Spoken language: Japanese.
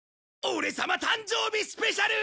オレ様誕生日スペシャル！